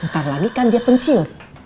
eh ntar lagi kan dia pensil